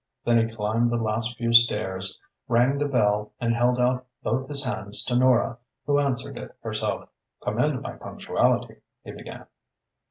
Then he climbed the last few stairs, rang the bell and held out both his hands to Nora, who answered it herself. "Commend my punctuality," he began.